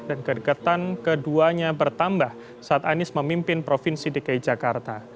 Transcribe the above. dan kedekatan keduanya bertambah saat anies memimpin provinsi dki jakarta